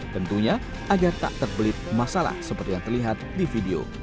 tentunya agar tak terbelit masalah seperti yang terlihat di video